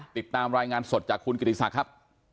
ติดตามรายงานสดจากคุณกิติศักดิ์ครับ